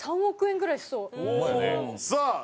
３億円ぐらいしそう。